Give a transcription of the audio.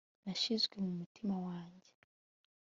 nashizwe mu mutima wanjye